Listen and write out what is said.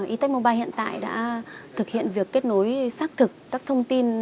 e tech mobile hiện tại đã thực hiện việc kết nối xác thực các thông tin